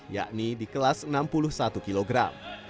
yakni di kelas enam puluh satu kilogram